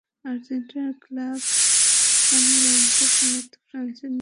আর্জেন্টিনার club San লরেঞ্জোর সমর্থক ফ্রান্সিস নিজে ফুটবলটা অনেক দিন থেকেই দেখেন।